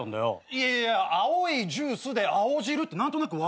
いやいや「青いジュース」で「青汁」って何となく分かんじゃん。